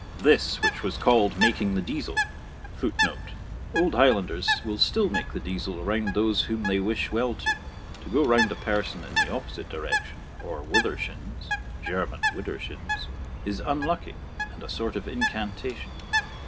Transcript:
This, which was called making the deasil, [Footnote: Old Highlanders will still make the deasil around those whom they wish well to. To go round a person in the opposite direction, or withershins (German wider shins), is unlucky, and a sort of incantation.